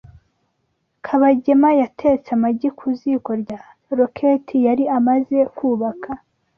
Kabagema yatetse amagi ku ziko rya roketi yari amaze kubaka.